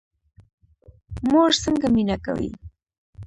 مور څنګه مینه کوي؟